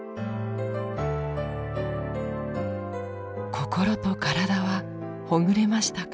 心と体はほぐれましたか？